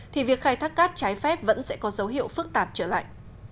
thì việc khai thác cát trái phép vẫn sẽ có dấu hiệu phức tạp trở lại